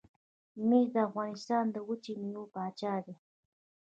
ممیز د افغانستان د وچې میوې پاچا دي.